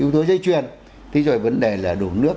thì rồi vấn đề là đổ nước